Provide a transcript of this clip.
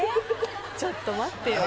ちょっと待ってよ